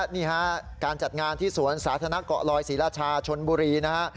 นี่ฮะการจัดงานที่สวนสาธารณะเกาะลอยศรีราชาชนบุรีนะฮะ